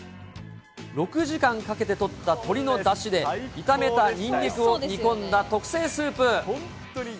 ６時間かけてとった鶏のだしで、炒めたにんにくを煮込んだ特製スープ。